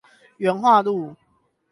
元化路